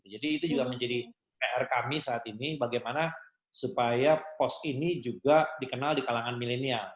jadi itu juga menjadi pr kami saat ini bagaimana supaya pos ini juga dikenal di kalangan milenial